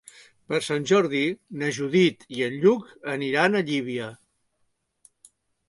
Per Sant Jordi na Judit i en Lluc aniran a Llívia.